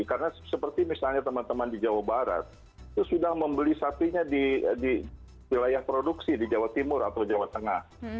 karena seperti misalnya teman teman di jawa barat itu sudah membeli sapinya di wilayah produksi di jawa timur atau jawa tengah